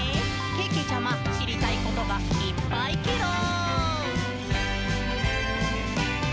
けけちゃま、しりたいことがいっぱいケロ！」